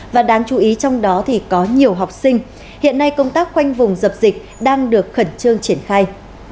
và đáng chú ý trong đó thì có nhiều học sinh hiện nay công tác khoanh vùng dập dịch đang được khẩn trương triển khai